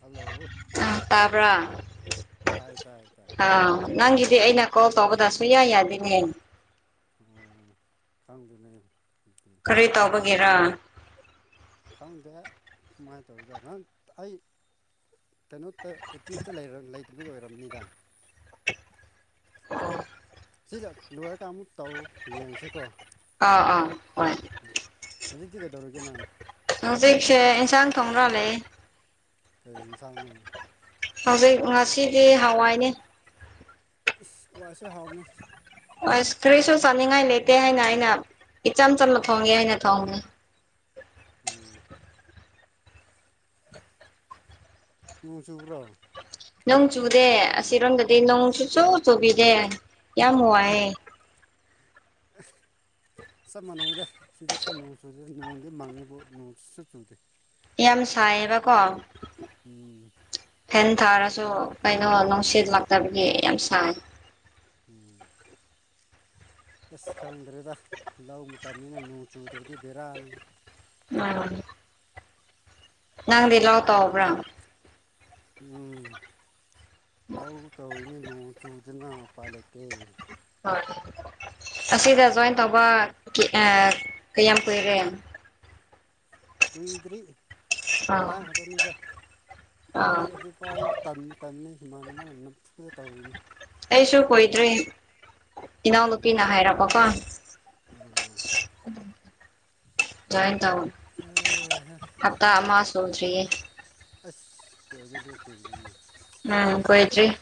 hello ꯇꯥꯕ꯭ꯔꯥ ꯇꯥꯏ ꯇꯥꯏ ꯇꯥꯏ ꯑꯥ ꯅꯪꯒꯤꯗꯤ ꯀꯩ ꯑꯩꯅ ꯀꯣꯜ ꯇꯧꯕꯗ ꯁꯨꯡꯌꯥ ꯌꯥꯗꯦꯅꯦ ꯑꯣ ꯈꯪꯗ ꯂꯩ ꯀꯔꯤ ꯇꯥꯎꯕꯒꯤꯔꯥ ꯈꯪꯗꯦ ꯀꯃꯥꯏꯅ ꯇꯧꯔꯤꯖꯥ ꯅꯪ ꯑꯩ ꯀꯩꯅꯣ ꯇ ꯇꯤꯞꯇ ꯂꯩꯇꯕꯒꯤ ꯑꯣꯏꯔꯝꯅꯤꯗ ꯁꯤꯗ ꯂꯣꯏꯔꯒ ꯑꯃꯨꯛ ꯇꯧ ꯌꯦꯡꯁꯤꯀꯣ ꯑꯥ ꯑꯥ ꯍꯣꯏ ꯍꯧꯖꯤꯗꯤ ꯀꯩ ꯇꯧꯔꯤꯒꯦ ꯅꯥ ꯍꯧꯖꯤꯛꯁꯦ ꯑꯦꯟꯁꯥꯡ ꯊꫭꯡꯔꯒ ꯂꯩꯌꯦ ꯀꯩ ꯌꯦꯟꯁꯥꯡꯅꯣ ꯍꯧꯖꯤꯛ ꯉꯁꯤꯗꯤ ꯍꯋꯥꯏꯅꯦ ꯏꯁ ꯍꯋꯥꯏꯁꯦ ꯍꯥꯎꯕ꯭ꯅꯦ ꯑꯁ ꯀꯔꯤꯁꯨ ꯆꯥꯅꯤꯡꯉꯥꯏ ꯂꯩꯇꯦ ꯍꯥꯏꯅ ꯑꯩꯅ ꯏꯆꯝ ꯆꯝꯅ ꯊꯣꯡꯒꯦ ꯍꯥꯏꯅ ꯊꯣꯡꯕ꯭ꯅꯦ ꯎꯝ ꯅꫭꯡ ꯆꯨꯕ꯭ꯔꯣ ꯅꯣꯡ ꯆꯨꯗꯦ ꯑꯁꯤꯔꯣꯝꯗꯗꯤ ꯅꯣꯡ ꯁꯨꯨꯛꯆꯨ ꯆꯨꯕꯤꯗꯦ ꯌꯥꯝ ꯋꯥꯌꯦ [inaudible] ꯆꯞ ꯃꯥꯟꯅꯩꯗꯦ ꯁꯤꯗꯁꯨ ꯅꯣꯡ ꯆꯨꯗꯦ ꯅꯣꯡꯗꯤ ꯃꯥꯡꯉꯤꯕꯨ ꯅꯣꯡ ꯁꯨꯛꯆꯨ ꯆꯨꯗꯦ ꯌꯥꯝ ꯁꯥꯏꯌꯦꯕꯀꯣ ꯎꯝ ꯐꯦꯟ ꯊꯥꯔꯁꯨ ꯀꯩꯅꯣ ꯅꯨꯡꯁꯤꯠ ꯂꯥꯛꯇꯕꯒꯤ ꯌꯥꯝ ꯁꯥꯏ ꯎꯝ ꯑꯁ ꯈꯪꯗ꯭ꯔꯦꯗ ꯂꯧ ꯃꯇꯝꯅꯤꯅ ꯅꯣꯡ ꯆꯨꯗ꯭ꯔꯗꯤ ꯕꯦꯔꯥꯅꯤ ꯑꯥ ꯅꯪꯗꯤ ꯂꯧ ꯇꯧꯕ꯭ꯔꯥ ꯎꯝ ꯂꯧ ꯇꯧꯔꯤꯅꯦ ꯅꯣꯡ ꯆꯨ ꯖꯅ ꯎꯄꯥꯏ ꯂꯩꯇꯦ ꯍꫭꯏ ꯑꯁꯤꯗ ꯖꯣꯏꯟ ꯇꯧꯕ ꯀꯌꯥꯝ ꯀꯨꯏꯔꯦ ꯀꯨꯏꯗ꯭ꯔꯤ ꯑꯥ ꯉꯔꯥꯡ ꯈꯛꯇꯅꯤꯗ ꯑꯥ ꯑꯗꯨ ꯐꯥꯎ ꯑꯩ ꯇꯟ ꯇꯟꯅꯤ ꯏꯃꯥꯟꯅꯕꯅ ꯅꯝꯐꯨꯗ ꯇꯧꯔꯤꯅꯤ ꯑꯩꯁꯨ ꯀꯥꯏ ꯀꯨꯏꯗ꯭ꯔꯤ ꯏꯅꯥꯎꯅꯨꯄꯤꯅ ꯍꯥꯏꯔꯛꯄꯀꯣ ꯎꯝ ꯖꫭꯏꯟ ꯇꯧ ꯑꯦꯍꯦ ꯍꯞꯇꯥꯥ ꯑꯃ ꯁꯨꯗ꯭ꯔꯤꯌꯦ ꯑꯁ ꯀꯣꯏꯔ ꯑꯗꯨꯗꯤ ꯀꯨꯈꯤꯗꯣꯏꯅꯦ ꯗ꯭ꯔꯤ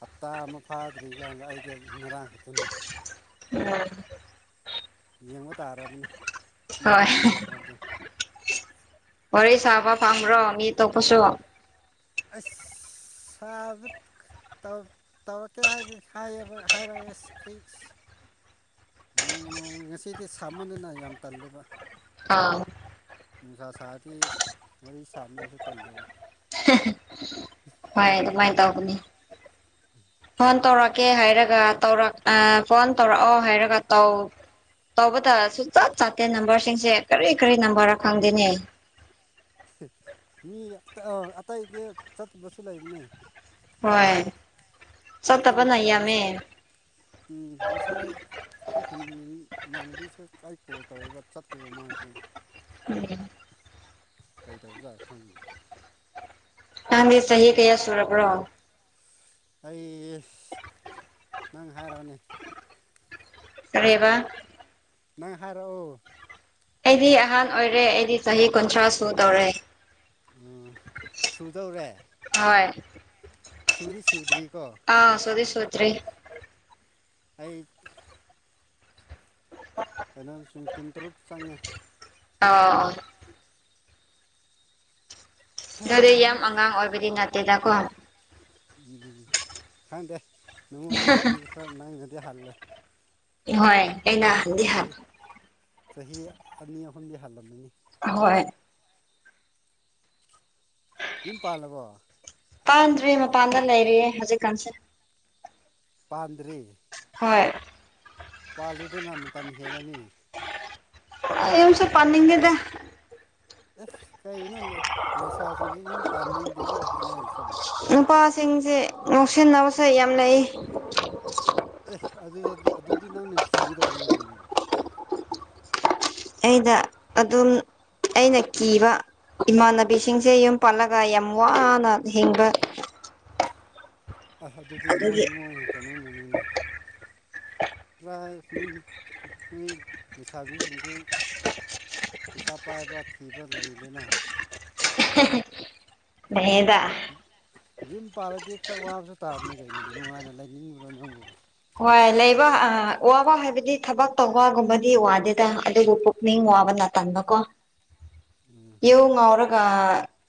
ꯍꯞꯇꯥ ꯑꯃ ꯐꯥꯗ꯭ꯔꯤ ꯀꯥꯟꯗ ꯑꯩꯗꯤ ꯉꯔꯥꯡ ꯈꯛꯇꯅꯤ ꯎꯝ ꯌꯦꯡꯕ ꯇꯥꯔꯕꯅꯦ ꯀꯃꯥꯏꯅ ꯍꯣꯏ ꯇꯧꯕꯗꯣ ꯍꯥꯏꯕꯗꯣ ꯋꯥꯔꯤ ꯁꯥꯕ ꯄꯥꯝꯕ꯭ꯔꯣ ꯃꯤ ꯇꯣꯞꯄꯁꯨ ꯑꯁ‌ ꯁꯥꯕ ꯈꯠ ꯇꯧ ꯇꯧꯔꯛꯀꯦ ꯍꯥꯏꯗꯤ ꯍꯥꯏꯌꯦꯕ ꯍꯥꯏꯔꯑꯦ ꯑꯁ ꯑꯩꯁ ꯅꯣꯡꯃ ꯅꯣꯡꯃꯒꯤ ꯉꯁꯤꯗꯤ ꯁꯃꯟꯗꯅ ꯌꯥꯝ ꯇꯜꯂꯦꯕ ꯑꯥ ꯅꯨꯡꯁꯥ ꯁꯥꯔꯗꯤ ꯋꯥꯔꯤ ꯁꯥꯅꯤꯡꯉꯥꯏꯁꯨ ꯇꯜꯂꯦꯕ ꯍꯣꯏ ꯑꯗꯨꯃꯥꯏꯅ ꯇꯧꯕꯅꯤ ꯐꯣꯟ ꯇꯧꯔꯛꯀꯦ ꯍꯥꯏꯔꯒ ꯇꯧꯔꯛ ꯑ ꯐꯣꯟ ꯇꯧꯔꯛꯑꯣ ꯍꯥꯏꯔꯒ ꯇꯧ ꯇꯧꯕꯇ ꯁꯨꯆꯠ ꯆꯥꯠꯇꯦ ꯅꯝꯕꯔꯁꯤꯡꯁꯦ ꯀꯔꯤ ꯀꯔꯤ ꯅꯝꯕꯔ ꯔ ꯈꯪꯗꯦꯅꯦ ꯃꯤ ꯑꫭ ꯑꯇꯩꯗꯤ ꯆꯠꯕꯁꯨ ꯂꯩꯥꯕꯅꯦ ꯍꯣꯏ ꯑꯩꯅ ꯆꯠꯇꯕꯅ ꯇ꯭ꯔꯥꯏ ꯌꯥꯝꯃꯦ ꯉꯁꯥꯏ ꯎꯝ ꯉꯁꯥꯏ ꯑꯩꯈꫭꯏ ꯈꯨꯟꯒꯤ ꯏꯃꯥꯟꯅꯕꯤꯁꯨ ꯀꯥꯏ ꯀꯣꯜ ꯇꯧꯔꯤꯕ ꯆꯠꯇꯦꯕ ꯃꯥꯒꯤꯁꯨ ꯎꯝ ꯀꯥꯏꯗꯕꯖ ꯈꯪꯅꯤ ꯅꯪꯗꯤ ꯆꯍꯤ ꯀꯌꯥ ꯁꯨꯔꯕ꯭ꯔꯣ ꯑꯩ ꯅꯪ ꯍꯥꯏꯔꯕꯅꯦ ꯑꯔꯦꯕ ꯅꯪ ꯍꯥꯏꯔꯛꯑꯣ ꯑꯩꯗꯤ ꯑꯍꯥꯟ ꯑꯣꯏꯔꯦ ꯑꯩꯗꯤ ꯆꯍꯤ ꯀꯨꯟꯊ꯭ꯔꯥ ꯁꯨ ꯇꯧꯔꯦ ꯎꯝ ꯁꯨꯗꯧꯔꯦ ꯍꯣꯏ ꯁꯔꯤ ꯁꯨꯗꯔꯤ ꯀ ꯊꯔꯤ ꯑꯩ ꯀꯨꯟ ꯇꯔꯨꯛ ꯆꯪꯉꯦ ꯑ ꯑꯗꯨꯗꯩ ꯎꯝ ꯌꯥꯝ ꯑꯉꯥꯡ ꯑꯣꯏꯕꯗꯤ ꯅꯠꯇꯦꯗꯀꯣ ꯈꯪꯗꯦ ꯅꯉꯣꯟꯗꯒꯤꯗꯤ ꯈꯔ ꯅꯪꯗꯗꯤ ꯍꯜꯂꯦ ꯍꯣꯏ ꯑꯩꯅꯗꯤꯍ ꯆꯍꯤ ꯆꯍꯤ ꯑꯅꯤ ꯑꯍꯨꯝꯗꯤ ꯍꯜꯂꯝꯃꯅꯤ ꯍꯣꯏ ꯌꯨꯝ ꯄꯥꯜꯂꯕꯣ ꯄꯥꯟꯗ꯭ꯔꯔꯤ ꯃꯄꯥꯟꯗ ꯂꯩꯔꯤꯌꯦ ꯍꯧꯖꯤꯛꯀꯥꯟꯁꯦ ꯄꯥꯟꯗ꯭ꯔꯦ ꯍꯣꯏ ꯄꯥꯜꯨꯗꯅ ꯃꯇꯝ ꯍꯦꯜꯂꯅꯤ ꯑꯨꯝ ꯁ ꯄꯥꯟꯂꯤꯒꯦꯗ ꯑꯦꯁ ꯀꯅꯣ ꯂꯩꯁꯥꯁꯤꯡꯁꯦ ꯌꯨꯝ ꯄꯥꯟꯅꯤꯡꯗꯦ ꯂꯣꯏ ꯍꯥꯏꯅꯔꯤꯁꯤꯕꯨꯣ ꯅꯨꯄꯥꯁꯤꯡꯁꯦ ꯉꯥꯎꯁꯤꯟꯅꯕꯁꯦ ꯌꯥꯝ ꯂꯩ ꯑꯦ ꯑꯗꯨꯗꯤ ꯅꯪꯅ ꯊꯤꯒꯗꯧꯕꯅꯦ ꯀꯩꯅꯣ ꯑꯩꯅ ꯑꯗꯨꯝ ꯑꯩꯅ ꯀꯤꯕ ꯏꯃꯥꯟꯅꯕꯤꯁꯤꯡꯁꯦ ꯌꯨꯝ ꯄꯜꯂꯒ ꯌꯥꯝ ꯋꯥꯅ ꯍꯤꯡꯕ ꯑꯁ ꯑꯗꯨꯗꯤ ꯃꯣꯏ ꯑꯗꯨꯒꯤ ꯃꯣꯏꯅꯦ ꯀꯩꯅꯣꯅꯅꯤꯅꯦ ꯍꯥꯏ ꯅꯣꯏ ꯂꯩꯁꯥꯕꯤꯁꯤꯡꯁꯤ ꯄꯩꯁꯥ ꯄꯥꯏꯕ ꯊꯤꯕ ꯂꯩꯗꯅ ꯐꯥꯌꯦꯗ ꯌꯨꯝ ꯄꯥꯜꯂꯗꯤ ꯈꯔ ꯋꯥꯕꯁꯨ ꯇꯥꯕꯅꯤ ꯀꯩꯅꯣ ꯅꯨꯡꯉꯥꯏꯅ ꯂꯩꯅꯤꯡꯕ꯭ꯔꯣ ꯅꯪꯕꯨꯕꯨ ꯍꯣꯏ ꯂꯩꯕ ꯋꯥꯕ ꯍꯥꯏꯕꯗꯤ ꯊꯕꯛ ꯇꯧꯕꯒꯨꯝꯕꯗꯤ ꯋꯥꯗꯦꯗ ꯑꯗꯨꯕꯨ ꯄꯨꯛꯅꯤꯡ ꯋꯥꯕꯅ ꯥꯟꯀꯣ ꯌꯎ ꯉꯔꯣ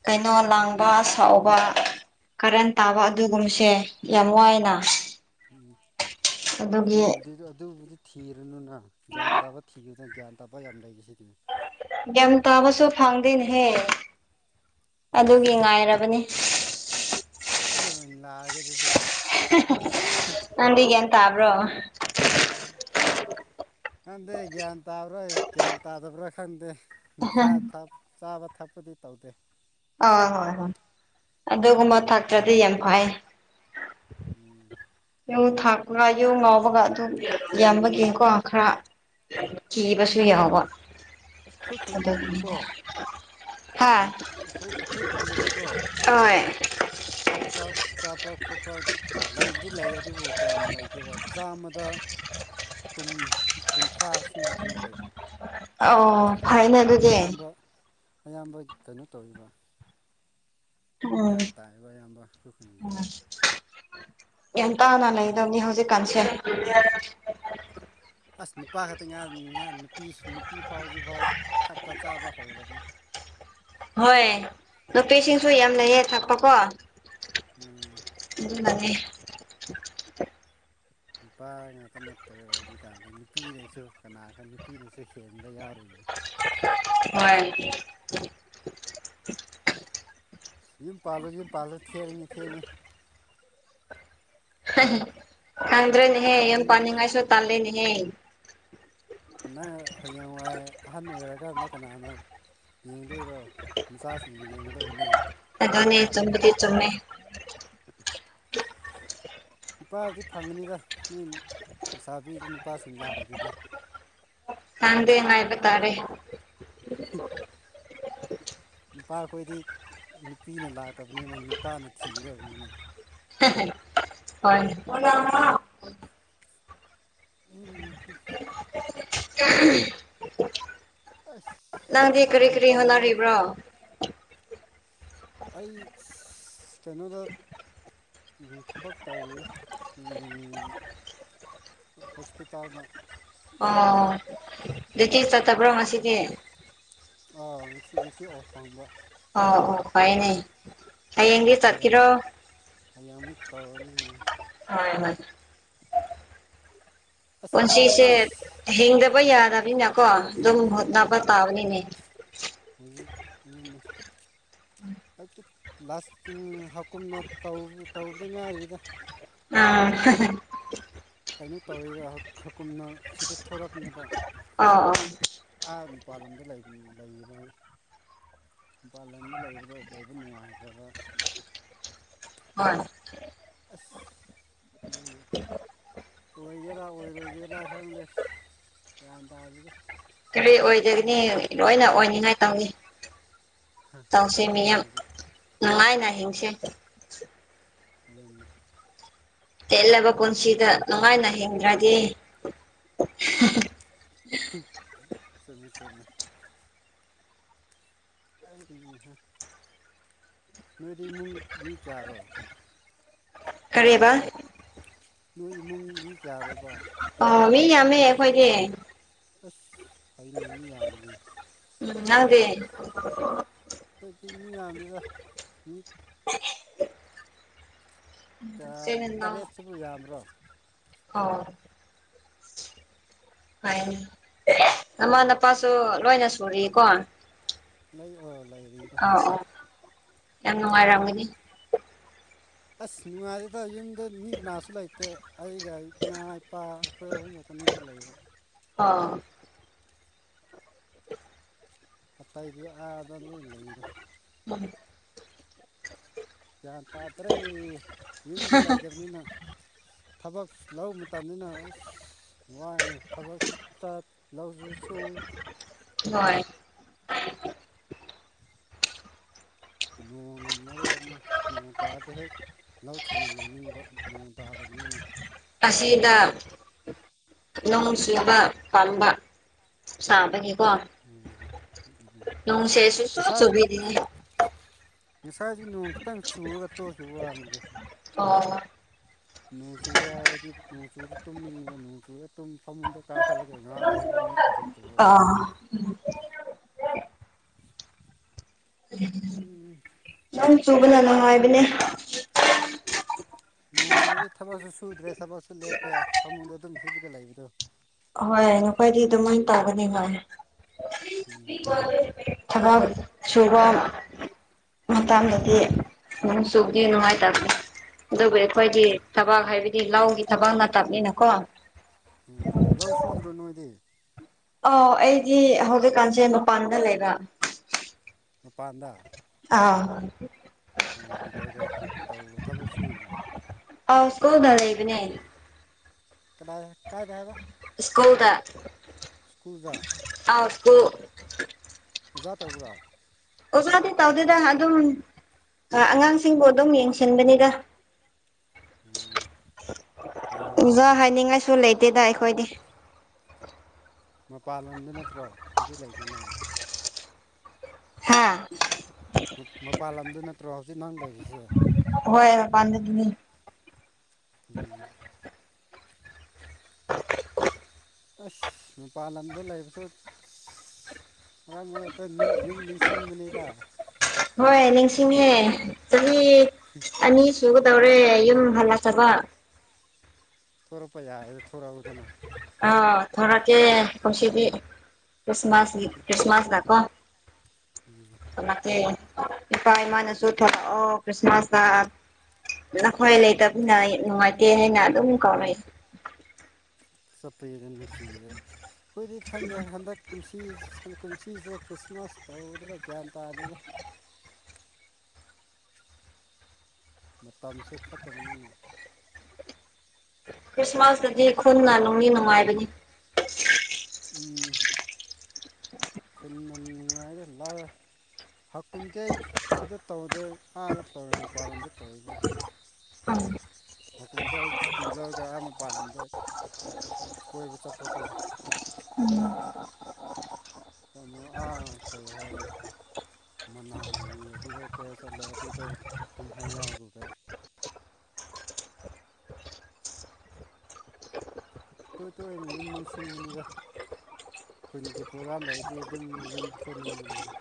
ꯀꯩꯅꯣ ꯂꯥꯡꯕ ꯁꯥꯎꯕ ꯀꯔꯟ ꯇꯥꯕ ꯑꯗꯨꯒꯨꯝꯕꯁꯦ ꯌꯥꯝ ꯋꯥꯏꯅ ꯎꯝ ꯑꯗꯨꯒꯤ ꯑꯗꯨꯗꯤ ꯑꯗꯨꯕꯨꯗꯤ ꯊꯤꯔꯨꯅꯨꯅ ꯒ꯭ꯌꯥꯟ ꯇꯥꯕ ꯊꯤꯈꯤꯕꯗꯅ ꯒ꯭ꯌꯥꯟ ꯇꯥꯕ ꯌꯥꯝ ꯂꯩꯒꯦ ꯁꯤꯗꯤꯅꯤ ꯒ꯭ꯌꯥ ꯇꯥꯕꯁꯨ ꯐꯪꯗꯦꯅꯦꯍꯦ ꯑꯩꯁ ꯑꯗꯨꯒꯤ ꯉꯥꯏꯔꯕꯅꯤ [unintelligible] [inaudible] ꯑꯩ ꯑꯣꯏꯅ ꯑꯣꯏꯅ ꯂꯥꯛꯑꯒꯦ ꯑꯗꯨꯗꯤ ꯅꯗꯒꯦ ꯇꯥꯕ꯭ꯔꯣ ꯈꯪꯗꯦ ꯒ꯭ꯌꯥꯟ ꯇꯥꯕ꯭ꯔꯣꯏ ꯒ꯭ꯌꯥꯟ ꯇꯥꯗꯕ꯭ꯔꯥ ꯈꯪꯗꯦ ꯅꯤꯁꯥ ꯆꯥꯕ ꯊꯛꯄꯗꯤ ꯇꯧꯗꯦ ꯑ ꯍꯣꯏ ꯍꯣꯏ ꯑꯗꯨꯒꯨꯝꯕ ꯊꯥꯛꯇ꯭ꯔꯗꯤ ꯌꯥꯝ ꯐꯩ [inaudible] ꯌꯨ ꯊꯥꯛꯄꯒ ꯌꯨ ꯉꯥꯎꯕꯒ ꯑꯗꯨꯝ ꯌꯥꯝꯕꯒꯤꯀꯣ ꯈꯔ ꯀꯤꯕꯁꯨ ꯌꯥꯕ ꯑꯩꯈꯣꯏ ꯈꯨꯟ ꯀꯣ ꯍꯥꯥ ꯑꯣꯏ ꯊꯛꯄ ꯆꯥꯕ ꯈꯣꯠꯄ ꯂꯩꯕꯨꯗꯤ ꯂꯩ ꯑꯗꯨ ꯑꯗꯨꯕꯨ ꯀꯌꯥꯝ ꯂꯩꯇꯦꯕ ꯆꯥꯃꯗ ꯀꯨꯟ ꯀꯨꯟ ꯊꯔꯥꯁꯤꯡ ꯍꯥꯇꯨꯅ ꯂꯩꯕ ꯑꯣ ꯐꯩꯅꯦ ꯑꯗꯨꯗꯤ ꯑꯌꯥꯝꯕ ꯑꯌꯥꯝꯕ ꯀꯩꯅꯣ ꯇꯧꯔꯤꯕ ꯎꯝ ꯒ꯭ꯌꯥꯟ ꯇꯥꯕ ꯑꯌꯥꯝꯕ ꯈꯨꯈꯨꯡꯒꯤ ꯌꯥꯝꯟ ꯇꯥꯅ ꯂꯩꯗꯧꯅꯤ ꯍꯧꯖꯤꯛꯀꯥꯟꯁꯦ ꯑꯁ ꯅꯨꯄꯥ ꯈꯛꯇ ꯉꯥꯏꯥꯅꯤ ꯉꯥ ꯅꯨꯄꯤꯁꯨ ꯅꯨꯄꯤ ꯐꯥꯎꯖꯤꯐꯥꯎ ꯊꯛꯄ ꯆꯥꯕ ꯍꯧꯔꯕꯅꯤ ꯍꯣꯏ ꯅꯨꯄꯤꯁꯤꯡꯁꯨ ꯌꯥꯝꯅꯍꯦ ꯊꯛꯄꯀꯣ ꯎꯝ ꯑꯗꯨ ꯃꯥꯅꯤ ꯅꯨꯄꯥ ꯉꯥꯛꯇ ꯅꯠꯇ꯭ꯔꯦꯕ ꯍꯧꯖꯤꯛꯀꯥꯟꯗꯤ ꯅꯨꯄꯤꯅꯁꯨ ꯀꯅꯥ ꯈꯔ ꯅꯨꯄꯤꯅꯁꯨ ꯍꯦꯟꯗ ꯌꯥꯎꯔꯤ ꯍꯣꯏꯣꯏ ꯌ ꯄꯜꯧ ꯌꯦ ꯄꯜꯧ ꯊꯦꯡꯦꯡꯤ ꯊꯦꯡꯦꯡꯤ ꯈꯟ꯭ꯔꯦ ꯅꯍꯦ ꯌꯦꯟ ꯁꯥꯔꯤ ꯄꯅꯤꯡ ꯉꯥꯏꯁꯨꯣ ꯇꯜꯂꯦꯅꯤꯍꯦ ꯅꯪ ꯍꯌꯦꯡꯋꯥꯏ ꯑꯍꯟ ꯑꯣꯏꯔꯛꯑꯀꯥꯟꯗ ꯀꯅꯥꯅ ꯌꯦꯡꯗꯣꯏꯔꯣ ꯅꯆꯥꯁꯤꯡꯅ ꯌꯦꯡꯒꯗꯕꯅꯤ ꯑꯗꯅꯦ ꯄꯥꯜꯂꯣ ꯆꯝꯕꯗꯤ ꯄꯥꯜꯂꯣ ꯆꯣꯃꯦ [unintelligible] [inaudible] ꯅꯨꯄꯥꯗꯤ ꯐꯪꯒꯅꯤꯗ ꯅꯣꯏ ꯄꯩꯁꯥ ꯄꯤꯗ ꯅꯨꯄꯥꯁꯤꯡ ꯂꯥꯛꯏꯗꯨꯗꯤ ꯆꯗꯦ ꯉꯥꯏꯕ ꯇꯥꯔꯦ ꯅꯨꯄꯥ ꯑꯩꯈꯣꯏꯗꯤ ꯅꯨꯄꯤꯅ ꯂꯥꯛꯇꯕꯅꯤꯅ ꯅꯨꯄꯥꯅ ꯊꯤꯒꯗꯕꯅꯤꯅ ꯍꯣꯏ ꯑ ꯎ [unintelligible] ꯅꯪꯗꯤ ꯑꯁ ꯀꯔꯤ ꯌꯥꯝ ꯀꯔꯤ ꯇꯜꯂꯤꯗ ꯍꯣꯠꯅꯔꯤꯕ꯭ꯔꯣ ꯑꯩ ꯀꯩꯅꯣꯗ ꯊꯕꯛ ꯇꯧꯋꯔꯤ ꯍꯣꯁꯄꯤꯇꯥꯜꯗ ꯑꯣ ꯑꯦꯆꯦ ꯆꯠꯇꯕ꯭ꯔꯣ ꯉꯁꯤꯗꯤ ꯑꯥ ꯉꯁꯤ ꯉꯁꯤ ꯑꯣꯣꯞ ꯐꯪꯕ ꯑꯣ ꯑꯣ ꯀꯥꯏꯅꯦ ꯍ ꯍꯌꯥꯃꯨ ꯇꯧꯅꯤ ꯍꯣꯏ ꯍꯣꯏ [unintelligible] ꯑꯁ ꯄꯨꯟꯁꯤꯁꯦ ꯋꯥꯏꯅꯦ ꯍꯤꯡꯗꯕ ꯌꯥꯗꯕꯅꯤꯅ ꯀꯣ ꯑꯗꯨꯝ ꯍꯗꯅꯥ ꯄ ꯄꯥꯥꯎꯅꯤꯅꯦ ꯑꯩ ꯂꯥꯁ ꯍꯥꯀꯨꯝꯅ ꯇꯧꯕꯗ ꯉꯥꯏꯔꯤꯗ ꯑꯥ ꯀꯩꯅꯣ ꯇꯧꯋꯔꯤꯕ ꯈꯀꯨꯝꯅ ꯁꯤꯗ ꯊꯣꯔꯛꯄꯅꯦꯕ ꯑꯣ ꯑꯣ ꯑ ꯃꯄꯥꯥꯟ ꯂꯝꯗ ꯂꯩꯔꯤꯕꯅꯤ ꯃꯄꯥꯟ ꯂꯝꯗ ꯂꯩꯕꯗ ꯂꯩꯕ ꯅꯨꯡꯉꯥꯏꯇ꯭ꯔꯕ ꯍꯣꯏ ꯑꯗꯨꯒꯤ ꯑꯣꯏꯒꯦꯔꯥ ꯑꯣꯏꯔꯣꯏꯒꯦꯔꯥ ꯈꯪꯗꯦ ꯂꯗ ꯑꯗꯨꯕ ꯀꯔꯤ ꯑꯣꯏꯗꯒꯅꯤ ꯂꯣꯏꯅ ꯑꯣꯏꯅꯤꯡꯉꯥꯏ ꯇꯧꯏꯤ ꯇꯧꯁꯤꯦ ꯃꯤ ꯌꯥꯝ ꯍꯧꯖꯤꯛ ꯅꯨꯡꯉꯥꯏꯅ ꯍꯤꯡꯁꯦ ꯎꯝ ꯑꯗꯨꯅꯦ ꯇꯦꯠꯂꯕ ꯄꯨꯟꯁꯤꯗ ꯅꯨꯡꯉꯥꯏꯅ ꯍꯤꯡꯗ꯭ꯔꯗꯤ ꯁꯃꯤꯃꯤ ꯁꯃꯤ ꯅꯣꯏꯗꯤ ꯏꯃꯨꯡ ꯃꯤ ꯀꯔꯣ ꯈꯔꯦꯕ ꯅꯣꯏ ꯏꯃꯨꯡꯒꯤ ꯀꯌꯥꯔꯕ ꯃꯦꯈꯣꯏꯅꯦꯦ ꯑꯁ ꯐꯅꯗꯤ ꯌꯥꯝꯕꯅꯦ ꯒꯦ ꯍꯧꯣꯏꯛꯇ ꯃꯤ ꯌꯥꯝꯗꯗ ꯃꯤ [unintelligible] ꯀꯌꯥ ꯇꯔꯦꯠꯁꯤꯕꯨ ꯌꯥꯝꯕ꯭ꯔꯣ ꯍ ꯐꯅꯦ ꯃꯃꯥꯅꯄꯥꯁꯨ ꯂꯣꯏꯅ ꯁꯔꯤꯀꯣ ꯂꯩ ꯑ ꯂꯩꯔꯤꯗ ꯌꯥꯝ ꯃꯔꯃꯅꯤ ꯑꯁ ꯅꯨꯡꯉꯥꯏꯔꯤꯗ ꯌꯨꯝꯗ ꯃꯤ ꯀꯅꯥꯁꯨ ꯂꯩꯇꯦ ꯑꯩꯒ ꯏꯃꯥ ꯏꯄꯥ ꯑꯩꯈꯣꯏ ꯑꯍꯨꯝꯒꯛꯇꯅꯤꯗ ꯂꯩꯕ ꯑꯥ ꯍꯥꯇꯥꯏꯗꯌꯥ ꯑꯗ ꯅ ꯂꯩꯗ ꯑ ꯒ꯭ꯌꯥꯟ ꯇꯥꯗ꯭ꯔꯦ ꯌꯨꯝꯗꯣ ꯂꯩꯇꯕꯅꯤꯅ ꯊꯕꯛ ꯂꯧꯕ ꯃꯇꯝꯅꯤꯅ ꯋꯥꯅ ꯊꯕꯛꯁꯨ ꯆꯠ ꯂꯧꯁꯨ ꯁꯨꯏ ꯍ ꯅꯣꯡꯅ ꯃꯔꯣꯛ ꯑꯃ ꯅꯣꯡ ꯇꯥꯗ ꯍꯦꯛ ꯂꯧ ꯊꯨꯅ ꯂꯣꯏꯅꯤꯡꯕ ꯅꯣꯡ ꯇꯥꯗꯕ ꯃꯅꯤꯅ ꯑꯁꯤꯗ ꯅꯣꯡ ꯆꯨꯕ ꯄꯥꯟꯕꯥ ꯁꯥꯕꯅꯤꯀꯣ ꯅꯨꯡꯁꯦ ꯁ ꯁꯨꯕꯤꯔꯤꯅꯦ ꯉꯁꯥꯏꯁꯤ ꯅꯣꯡ ꯈꯤꯇꯪ ꯆꯨꯔꯒ ꯇꯣꯛꯈꯤꯕ ꯋꯥꯅꯤꯗ ꯑꯣ ꯅꯣꯡꯆꯨꯒ ꯍꯥꯏꯔꯗꯤ ꯅꯣꯡꯆꯨꯗꯤ ꯇꯨꯝꯅꯤꯡꯉꯕ ꯅꯣꯡꯆꯨꯒ ꯁꯃꯨ ꯗ ꯀꯥ ꯈꯥꯂꯒꯦ ꯉ ꯂꯩꯦ ꯑꯦꯒꯝꯆꯨ ꯇꯧꯕꯣꯥꯏ ꯑꯥ ꯎꯝ ꯅꯪ ꯆꯨꯕꯅꯅ ꯍꯥꯏꯕꯅꯦ ꯅꯣꯡ ꯆꯨꯔꯤ ꯊꯕꯛꯁꯨ ꯁꯨꯗ꯭ꯔꯦ ꯊꯕꯛꯁꯨ ꯂꯦꯞꯄꯦ ꯐꯃꯨꯡꯗ ꯑꯗꯨꯝ ꯍꯕꯗ ꯂꯩꯕꯗꯣ ꯍꯣꯏ ꯅꯈꯣꯏꯗꯤ ꯑꯗꯨꯃꯥꯏꯅ ꯇꯥꯒꯅꯤ ꯍꯣꯏ ꯎꯝ ꯊꯕꯛ ꯁꯨꯕ ꯃꯊ ꯃꯗꯤ ꯑꯗꯨ ꯁꯗꯤꯅꯅꯨꯡꯉꯥꯏ ꯇꯦ ꯑꯗꯨꯕꯨ ꯑꯩꯈꯣꯏꯗꯤ ꯊꯕꯥꯛ ꯍꯥꯏꯕꯗꯤ ꯂꯒꯤ ꯊꯕꯛ ꯅꯠꯇꯕꯅꯤꯅꯀꯣ ꯎꯝ ꯂꯧ ꯁꯨꯗ꯭ꯔꯣ ꯅꯣꯏꯗꯤ ꯑ ꯑꯩꯗꯤ ꯍꯧꯖꯤꯛꯀꯥꯟꯁꯦ ꯃꯄꯥꯟꯗ ꯂꯩꯕ ꯄꯥꯟꯗꯥ ꯑꯥ ꯑꯣ ꯑꯣ ꯀꯥꯏ ꯀꯥꯏ ꯇ ꯊꯥꯕ ꯁꯣꯏꯕꯤꯔꯤꯕ ꯑꯥꯎꯁꯀꯣꯗꯗꯏꯕ ꯑ ꯀꯗꯥ ꯀꯥꯏ ꯗ꯭ꯔꯥꯏꯚꯔ ꯁ꯭ꯀꯨꯜꯗ ꯁ꯭ꯀꯨꯗ ꯍꯨ ꯑꯣꯖꯥ ꯇꯧꯕ꯭ꯔꯥ ꯑꯣꯖꯥꯗ ꯇꯥꯎꯗꯗ ꯑꯗꯨ ꯑꯉꯥꯡꯁꯤꯡꯕꯨ ꯑꯗꯨꯝ ꯌꯦꯡꯁꯤꯟꯕꯅꯤꯗ ꯎꯝ ꯐꯩꯅꯦ ꯑꯣꯖꯥ ꯑꯗꯨꯁꯨ ꯍꯥꯏꯅꯤꯡꯉꯥꯏꯁꯨ ꯂꯩꯇꯦꯗ ꯑꯩꯈꯣꯏꯗꯤ ꯃꯄꯥꯥꯟ ꯂꯝꯗ ꯅꯠꯇ꯭ꯔꯣ ꯍꯧꯆꯠꯂꯏꯁꯦ ꯅꯪ ꯍꯥꯥ ꯃꯄꯥꯟ ꯂꯝꯗ ꯅꯠꯇ꯭ꯔꯣ ꯍꯧꯖꯤꯛ ꯅꯪ ꯂꯩꯔꯤꯁꯤꯦ ꯍꯣꯏ ꯄꯥꯟꯅꯤ ꯎꯝ ꯑꯁ ꯃꯄꯥꯟ ꯂꯝꯗ ꯂꯩꯕꯁꯨ ꯃꯔꯥꯡ ꯃ ꯇꯣꯏ ꯌꯨꯝ ꯁꯤꯡ ꯃꯅꯗ ꯍꯣꯏ ꯅꯤꯡꯁꯤꯡꯉꯦ ꯆꯍꯤ ꯑꯅꯤ ꯁꯒ ꯇꯧꯔꯦ ꯌꯨꯝ ꯂ ꯆꯕ ꯊꯔꯛꯄꯌꯥꯥꯗ ꯊꯔꯛ ꯎꯗꯅ ꯊꯣꯔꯀꯦ ꯈꯁꯤꯗꯤ ꯀ꯭ꯔꯤꯁꯃꯥꯁ ꯀ꯭ꯔꯤꯁꯃꯥꯁ ꯂꯀꯣ ꯦ ꯀꯄꯥ ꯏ ꯑꯁꯨꯣ ꯊ ꯑꯣ ꯈ꯭ꯔꯤꯁꯃꯥꯁ ꯅꯈꯣꯏ ꯂꯩꯇꯕꯅ ꯅꯨꯡꯉꯥꯏꯇꯦ ꯍꯥꯏꯅ ꯑꯗꯨꯝ ꯀꯧꯅꯩ ꯆꯠꯄꯗ ꯅꯨꯡꯁꯤꯗ ꯑꯩꯈꯣꯏꯗꯤ ꯈꯪꯗꯦ ꯍꯟꯗꯛ ꯅꯨꯡꯁꯤ ꯟ ꯀꯟꯁꯤꯁꯦ ꯈ꯭ꯔꯤꯁꯃꯥꯁ ꯇꯧꯗ꯭ꯔ ꯒ꯭ꯌꯥꯟ ꯇꯥꯗꯅ ꯃꯇꯝꯁꯦ ꯐꯠꯇꯕꯅꯤꯅ ꯈ꯭ꯔꯤꯁꯃꯥꯁꯇꯗꯤ ꯈꯨꯟꯅ ꯅꯨꯡꯒꯤ ꯅꯨꯡꯉꯥꯏꯕꯅꯤ ꯎꯝ ꯈꯨꯉꯥꯏꯗ ꯂꯥꯏ ꯍꯥꯀꯨꯝꯖꯦ ꯑꯁꯤꯗ ꯇꯧꯗ꯭ꯔꯦ ꯑꯥꯗ ꯇꯧꯦ ꯃꯄꯥꯟꯣꯝꯗ ꯇꯧꯔꯤꯕ ꯎꯝ ꯃꯀꯨꯝꯗ ꯑꯩ ꯁꯨꯇꯤ ꯂꯧꯔꯒ ꯑꯃ ꯑꯃ ꯄꯥꯟꯂꯝꯗ ꯀꯣꯏꯕ ꯇꯄꯣꯀ ꯎꯝ ꯑ ꯑꯥꯇ ꯌꯥꯔ ꯃꯅꯥꯂꯤ ꯑꯗꯨꯗ ꯀꯣꯏ ꯆꯠꯂꯦ ꯑꯗꯨꯗ ꯀꯨꯝꯍꯩ ꯌꯥꯎꯔꯨꯔꯦ ꯇꯣꯏ ꯇꯣꯏꯔꯤ ꯌꯨꯝ ꯅꯤꯡꯁꯤꯡꯕꯅꯤꯗ ꯈꯨꯟꯒꯤ ꯄ꯭ꯔꯣꯒꯥꯝ ꯂꯩꯗꯤ ꯑꯗꯨꯝ ꯌꯨꯝ ꯊꯣꯟꯅꯤꯡꯕꯅꯤꯗ